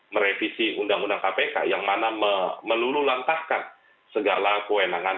merevisi undang undang kpk yang mana melululantahkan segala kewenangan